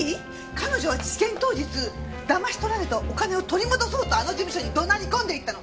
彼女は事件当日騙し取られたお金を取り戻そうとあの事務所に怒鳴り込んで行ったの。